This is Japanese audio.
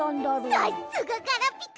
さっすがガラピコ！